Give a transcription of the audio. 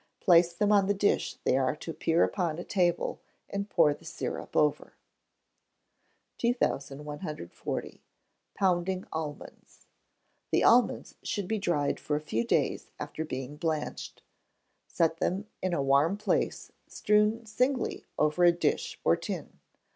Place them on the dish they are to appear upon at table, and pour the syrup over. 2140. Pounding Almonds. The almonds should be dried for a few days after being blanched. Set them in a warm place, strewn singly over a dish or tin.